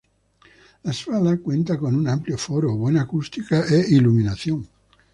La sala cuenta con un amplio foro, buena acústica e iluminación.